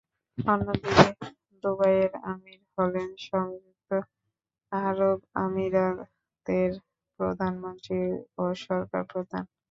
অন্যদিকে দুবাইয়ের আমীর হলেন সংযুক্ত আরব আমিরাতের প্রধানমন্ত্রী ও সরকার প্রধান।